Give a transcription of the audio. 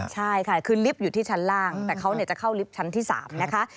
ใช่ค่ะคือลิฟต์อยู่ที่ชั้นล่างแต่เขาจะเข้าลิฟท์ชั้นที่๓นะคะ